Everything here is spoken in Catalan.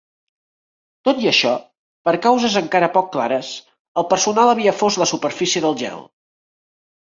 Tot i això, per causes encara poc clares, el personal havia fos la superfície del gel.